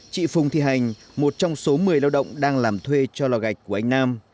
chị phùng thị hành một trong số một mươi lao động đang làm thuê cho lò gạch của anh nam